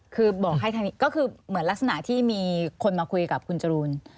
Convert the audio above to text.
คือบอกให้ทางนี้ก็คือเหมือนลักษณะที่มีคนมาคุยกับคุณจรูน